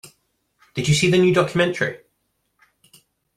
Did you see the new documentary?